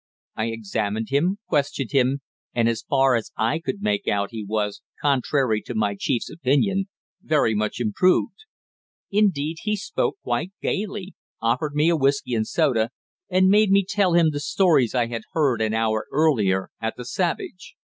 I examined him, questioned him, and as far as I could make out he was, contrary to my chief's opinion, very much improved. Indeed, he spoke quite gaily, offered me a whisky and soda, and made me tell him the stories I had heard an hour earlier at the Savage.